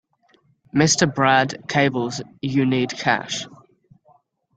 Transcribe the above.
Mr. Brad cables you need cash.